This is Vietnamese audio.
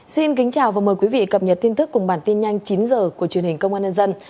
xin kính chào và mời quý vị cập nhật tin tức cùng bản tin nhanh chín h của truyền hình công an nhân dân